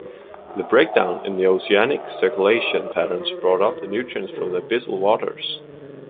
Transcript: The breakdown in the oceanic circulation patterns brought up nutrients from the abyssal waters.